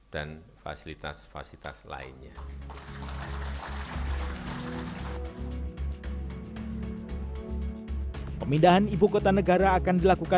dan fasilitas fasilitas lainnya